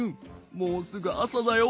もうすぐあさだよ。